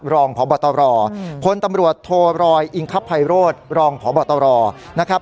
รองพบตรพลตำรวจโทรอยอิงคภัยโรธรองพบตรนะครับ